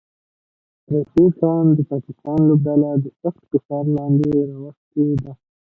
راشد خان د پاکستان لوبډله د سخت فشار لاندې راوستی ده